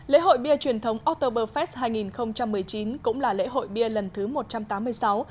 lễ hội bia truyền thống otterberfest hai nghìn một mươi chín cũng là lễ hội bia lần thứ một trăm tám mươi sáu